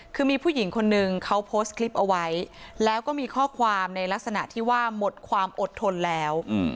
คือมีผู้หญิงคนนึงเขาโพสต์คลิปเอาไว้แล้วก็มีข้อความในลักษณะที่ว่าหมดความอดทนแล้ว